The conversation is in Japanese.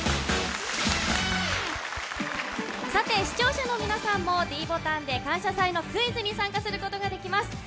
視聴者の皆さんもｄボタンで「感謝祭」のクイズに参加することができます。